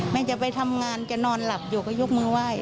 จะไปทำงานแกนอนหลับอยู่ก็ยกมือไหว้